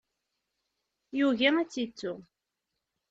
Yugi ad tt-yettu.